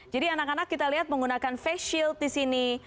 jadi anak anak kita lihat menggunakan face shield di sini